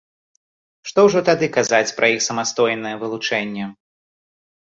Што ўжо тады казаць пра іх самастойнае вылучэнне.